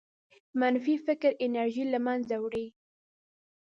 منفي فکر انرژي له منځه وړي.